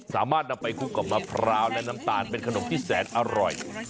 สามารถนำไปคลุกกับมะพร้าวและน้ำตาลเป็นขนมที่แสนอร่อย